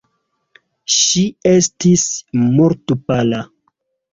Ŝi estis mortpala.